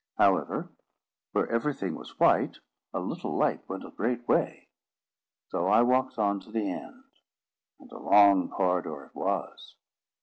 However, where everything was white, a little light went a great way. So I walked on to the end, and a long corridor it was.